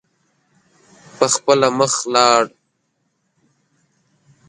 په خپله مخ لاړ.